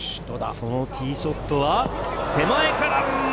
そのティーショットは手前から。